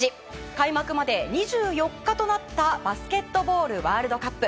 開幕まで２４日となったバスケットボールワールドカップ。